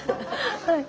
はい。